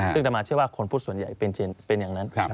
ซึ่งต่อมาเชื่อว่าคนพุทธส่วนใหญ่เป็นอย่างนั้น